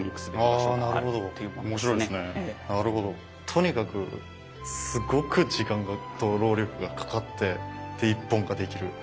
とにかくすごく時間と労力がかかって一本ができる。